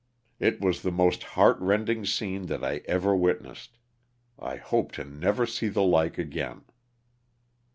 It was the most heart rending scene that I ever witnessed. I hope to never see the like again.